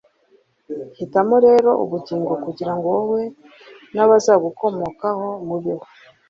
hitamo rero ubugingo kugira ngo wowe n’abazagukomokaho mubeho,